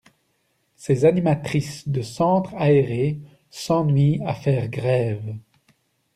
Ces animatrices de centres aérés s'ennuient à faire grève.